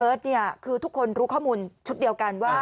คือทุกคนรู้ข้อมูลชุดเดียวกันว่า